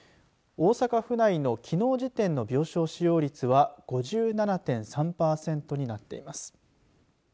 大阪府内のきのう時点の病床使用率は５７．３パーセントになっています。